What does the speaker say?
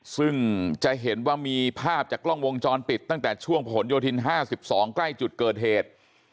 ซึ่งจะเห็นว่ามีภาพจากกล้องวงจรปิดตั้งแต่ช่วงผนโยธิน๕๒ใกล้จุดเกิดเหตุ